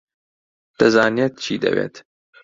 دەزانێت چی دەوێت.